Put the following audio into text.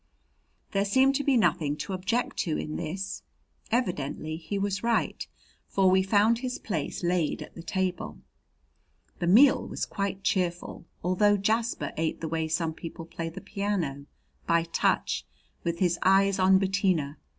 There seemed to be nothing to object to in this. Evidently he was right, for we found his place laid at the table. The meal was quite cheerful, although Jasper ate the way some people play the piano, by touch, with his eyes on Bettina.